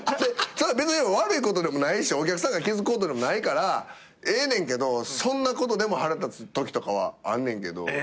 別に悪いことでもないしお客さんが気付くことでもないからええねんけどそんなことでも腹立つときとかはあんねんけど。